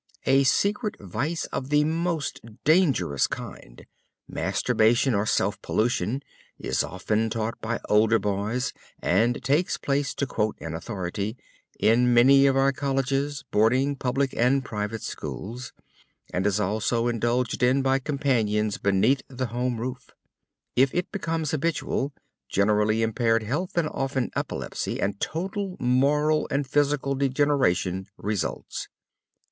A secret vice of the most dangerous kind, masturbation or self pollution is often taught by older boys and takes place, to quote an authority "in many of our colleges, boarding, public and private schools," and is also indulged in by companions beneath the home roof. If it becomes habitual, generally impaired health, and often epilepsy, and total moral and physical degradation results.